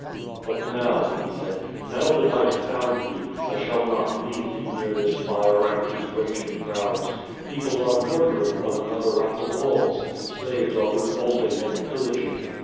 "But now,*' he said, "now that I have found thee, I shall not leave thee near this fire and these raging crowds. People are murdering one another at the walls. Slaves are revolting and pillaging.